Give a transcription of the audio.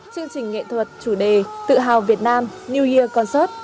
chương trình nghệ thuật chủ đề tự hào việt nam new year concert